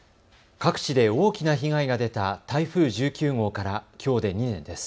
各地で大きな被害が出た台風１９号からきょうで２年です。